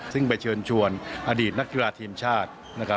ซึ่งไปเชิญชวนอดีตนักกีฬาทีมชาตินะครับ